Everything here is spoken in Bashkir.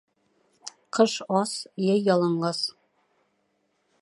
Ҡыш ас, йәй яланғас.